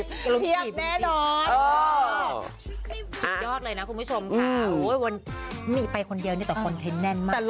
สุดยอดเลยนะคุณผู้ชมค่ะโอ้ยวันมีไปคนเดียวเนี่ยแต่คอนเทนต์แน่นมาก